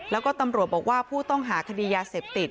แล้วก็ตำรวจบอกว่าผู้ต้องหาคดียาเสพติด